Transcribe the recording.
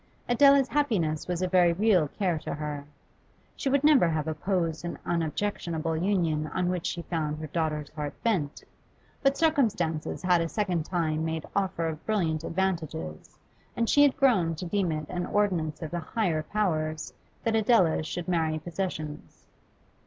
Adela's happiness was a very real care to her; she would never have opposed an unobjectionable union on which she found her daughter's heart bent, but circumstances had a second time made offer of brilliant advantages, and she had grown to deem it an ordinance of the higher powers that Adela should marry possessions.